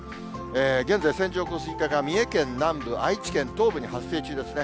現在、線状降水帯が三重県南部、愛知県東部に発生中ですね。